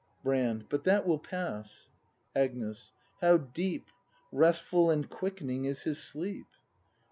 Brand. But that will pass. Agnes. How deep, Restful and quickening is his sleep.